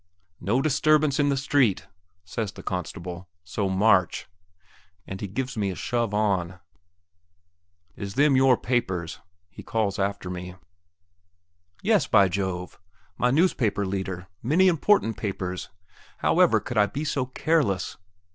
"No disturbance in the street," says the constable; "so, march," and he gives me a shove on. "Is them your papers?" he calls after me. "Yes, by Jove! my newspaper leader; many important papers! However could I be so careless?"